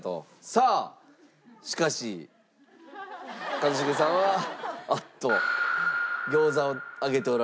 さあしかし一茂さんはおっと餃子を上げておられますが。